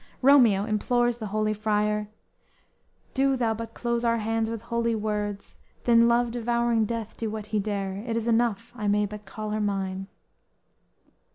"_ Romeo implores the holy Friar: _"Do thou but close our hands with holy words, Then love devouring death do what he dare, It is enough I may but call her mine!"